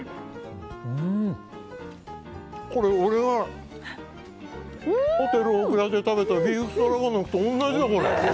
これ、俺がホテルオークラで食べたビーフストロガノフと同じだ！